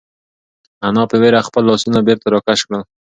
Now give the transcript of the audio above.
انا په وېره خپل لاسونه بېرته راکش کړل.